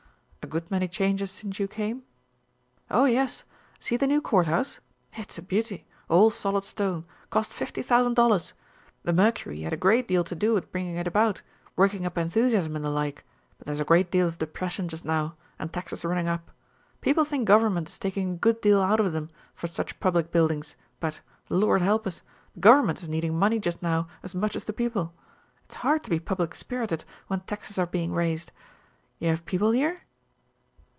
A good many changes since you came?" "Oh, yes. See the new courthouse? It's a beauty, all solid stone, cost fifty thousand dollars. The Mercury had a great deal to do with bringing it about, working up enthusiasm and the like, but there is a great deal of depression just now, and taxes running up. People think government is taking a good deal out of them for such public buildings, but, Lord help us! the government is needing money just now as much as the people. It's hard to be public spirited when taxes are being raised. You have people here?"